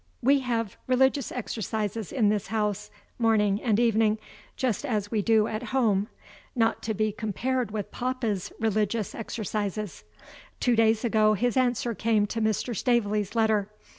We have religious exercises in this house, morning and evening, just as we do at home. (Not to be compared with papa's religious exercises.) Two days ago his answer came to Mr. Staveley's letter.